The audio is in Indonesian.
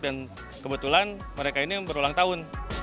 dan kebetulan mereka ini berulang tahun